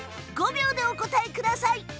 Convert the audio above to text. ５秒でお答えください。